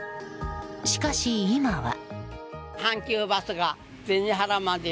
しかし、今は。